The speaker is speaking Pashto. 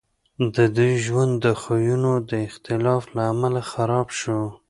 د دوی ژوند د خویونو د اختلاف له امله خراب شو